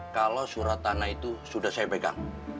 kalau surat tanah itu sudah saya pegang